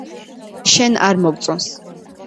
შენ არ მოგწონს